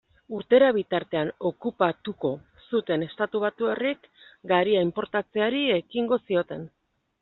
Urtera bitartean okupatuko zuten estatubatuarrek garia inportatzeari ekingo zioten.